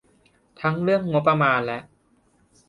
ทั้งเรื่องงบประมาณและ